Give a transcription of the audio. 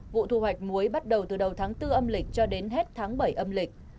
vụ thu hoạch muối bắt đầu từ đầu tháng bốn âm lịch cho đến hết tháng bảy âm lịch